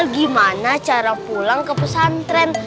gimana cara pulang ke pesantren